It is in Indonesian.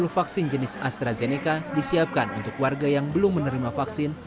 dua ratus lima puluh vaksin jenis astrazeneca disiapkan untuk warga yang belum menerima vaksin